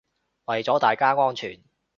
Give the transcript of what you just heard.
為咗大家安全